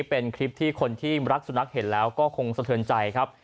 เป็นคลิปที่คนที่รักสุนัขเห็นแล้วก็คงสะเทินใจครับ